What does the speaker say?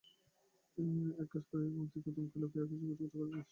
এক কাজ করিস মতি, কুমুদকে লুকিয়ে কিছু কিছু টাকা জমাস।